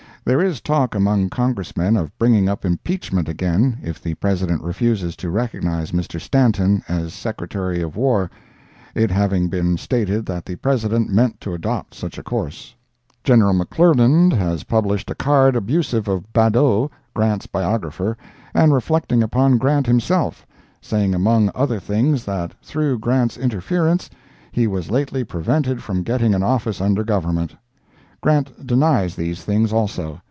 There is talk among Congressmen of bringing up impeachment again if the President refuses to recognize Mr. Stanton as Secretary of War—it having been stated that the President meant to adopt such a course. General McClernand has published a card abusive of Badeau, Grant's biographer, and reflecting upon Grant himself—saying among other things, that through Grant's interference, he was lately prevented from getting an office under Government. Grant denies these things also.